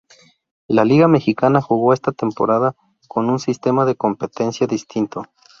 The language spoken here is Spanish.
La Liga Mexicana jugó esta temporada con un sistema de competencia distinto.